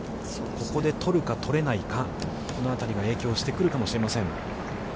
ここで取るか取れないか、そのあたりが影響してくるかもしれません。